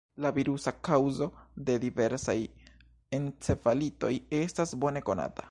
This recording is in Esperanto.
La virusa kaŭzo de diversaj encefalitoj estas bone konata.